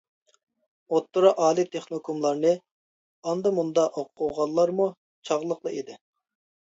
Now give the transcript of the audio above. ئوتتۇرا ئالىي تېخنىكوملارنى ئاندا-مۇندا ئوقۇغانلارمۇ چاغلىقلا ئىدى.